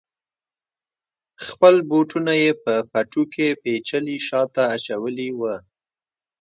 خپل بوټونه یې په پټو کې پیچلي شاته اچولي وه.